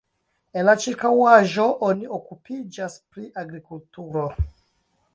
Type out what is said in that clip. En la ĉirkaŭaĵo oni okupiĝas pri agrikulturo.